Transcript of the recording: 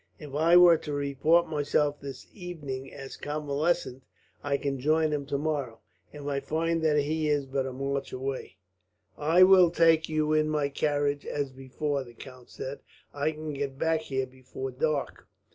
If I were to report myself this evening as convalescent, I can join him tomorrow, if I find that he is but a march away." "I will take you in my carriage, as before," the count said. "I can get back here before dark."